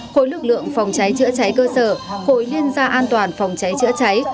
khối lực lượng phòng cháy chữa cháy cơ sở khối liên gia an toàn phòng cháy chữa cháy